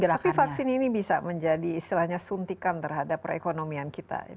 tapi vaksin ini bisa menjadi istilahnya suntikan terhadap perekonomian kita